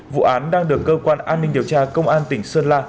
vụ án đang được cơ quan an ninh điều tra công an tỉnh sơn la